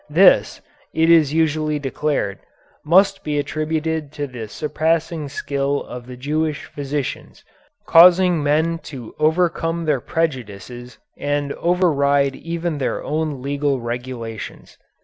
This, it is usually declared, must be attributed to the surpassing skill of the Jewish physicians, causing men to overcome their prejudices and override even their own legal regulations.